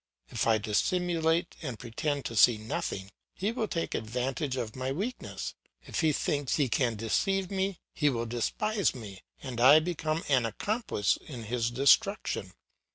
If I dissimulate and pretend to see nothing, he will take advantage of my weakness; if he thinks he can deceive me, he will despise me, and I become an accomplice in his destruction.